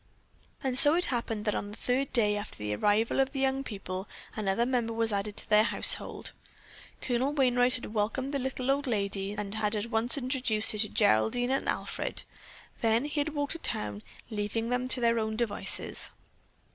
And so it happened that on the third day after the arrival of the young people, another member was added to their household. Colonel Wainright had welcomed the little old lady and had at once introduced her to Geraldine and Alfred, then he had walked to town, leaving them to their own devices.